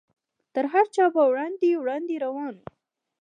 تر هر چا به وړاندې وړاندې روان و.